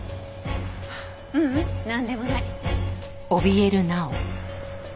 ううんなんでもない。